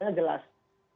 cukup jelas ya